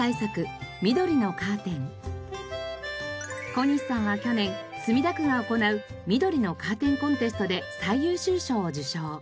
小西さんは去年墨田区が行う「緑のカーテンコンテスト」で最優秀賞を受賞。